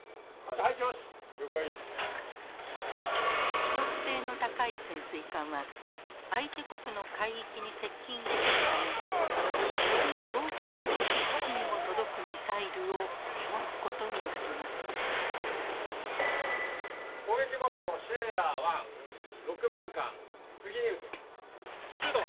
秘匿性の高い潜水艦は相手国の海域に接近できるためより遠くの敵基地にも届くミサイルを持つことになります。